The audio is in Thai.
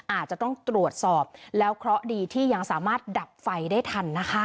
อาจจะต้องตรวจสอบแล้วเคราะห์ดีที่ยังสามารถดับไฟได้ทันนะคะ